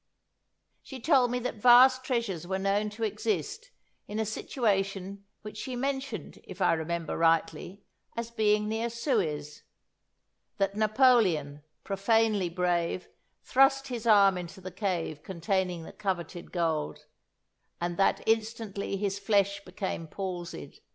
She told me that vast treasures were known to exist in a situation which she mentioned, if I remember rightly, as being near Suez; that Napoleon, profanely brave, thrust his arm into the cave containing the coveted gold, and that instantly his flesh became palsied.